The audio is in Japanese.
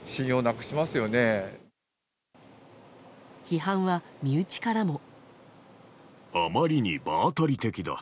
批判は身内からも。